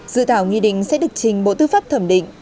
dự tảo nghi định sẽ được trình bộ tư pháp thẩm định